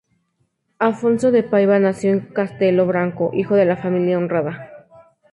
Afonso de Paiva nació en Castelo Branco, hijo de familia honrada.